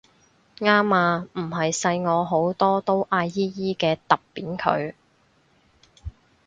啱啊唔係細我好多都嗌姨姨嘅揼扁佢